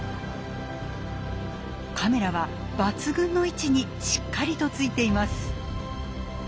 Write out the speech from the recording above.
カメラは抜群の位置にしっかりとついています。